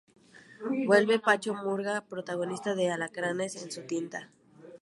Vuelve Pacho Murga, protagonista de Alacranes en su tinta.